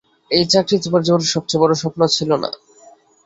এই চাকরি তোমার জীবনের সবচেয়ে বড় স্বপ্ন ছিল না?